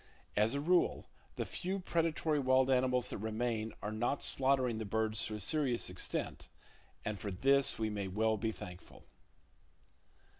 As a rule, the few predatory wild animals that remain are not slaughtering the birds to a serious extent; and for this we may well be thankful.